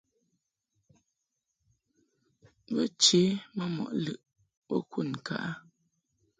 Bo che ma mɔʼ lɨʼ bo kud ŋka a.